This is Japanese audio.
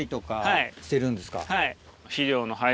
はい。